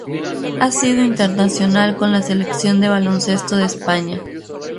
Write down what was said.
Ha sido internacional con la Selección de baloncesto de España.